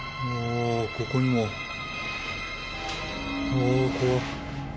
おお怖っ！